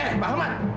eh pak ahmad